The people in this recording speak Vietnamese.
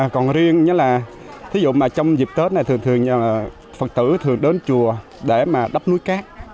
còn riêng như là thí dụ mà trong dịp tết này thường thường phật tử thường đến chùa để mà đắp núi cát